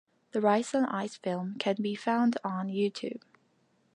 The Rice on Ice film can be found on YouTube.